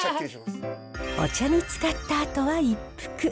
お茶につかったあとは一服。